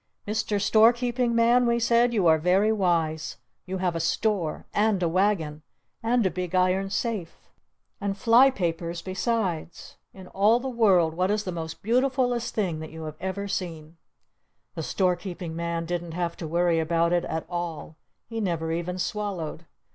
"Mr. Store Keeping Man," we said. "You are very wise! You have a store! And a wagon! And a big iron safe! And fly papers besides! In all the world what is the most beautifulest thing that you have ever seen?" The Store Keeping Man didn't have to worry about it at all. He never even swallowed.